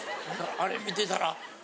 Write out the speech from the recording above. あれ見てたら。